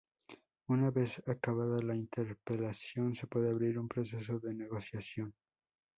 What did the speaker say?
Una vez acabada la interpelación, se puede abrir un proceso de negociación.